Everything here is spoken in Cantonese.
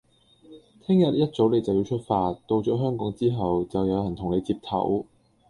聽日一早你就要出發，到咗香港之後，就有人同你接頭